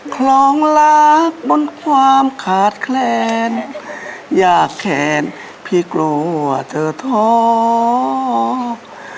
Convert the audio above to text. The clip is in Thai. คลองรักบนความขาดแคลนยากแขนพี่กลัวเธอท้อง